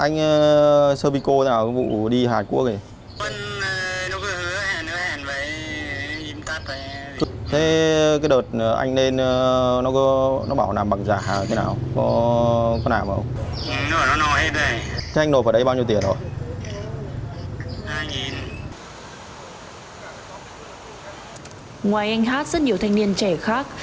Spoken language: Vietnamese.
ngoài anh hát rất nhiều thanh niên trẻ khác